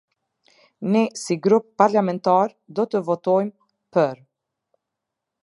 Ne si Grup Parlamentar do të votojmë “për”.